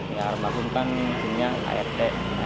ya almarhum kan punya art